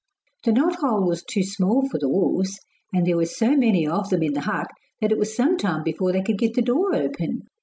The knot hole was too small for the wolves, and there were so many of them in the hut that it was some time before they could get the door open.